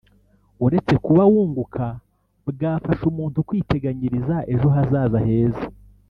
uretse kuba wunguka bwafasha umuntu kwiteganyiriza ejo hazaza heza